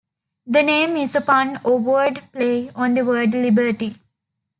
The name is a pun or word play on the word "liberty".